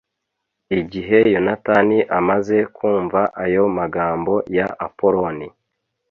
igihe yonatani amaze kumva ayo magambo ya apoloni